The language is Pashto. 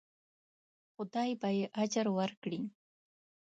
خدای به یې اجر ورکړي.